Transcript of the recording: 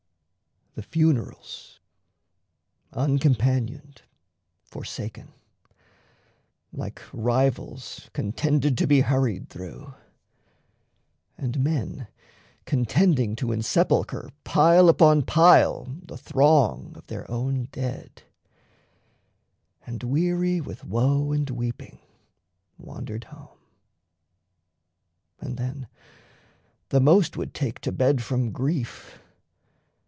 The funerals, uncompanioned, forsaken, Like rivals contended to be hurried through. And men contending to ensepulchre Pile upon pile the throng of their own dead: And weary with woe and weeping wandered home; And then the most would take to bed from grief.